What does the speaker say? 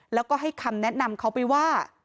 แล้วก็ให้คำแนะนำเขาไปว่า